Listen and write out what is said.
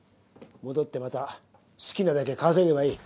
戻ってまた好きなだけ稼げばいい。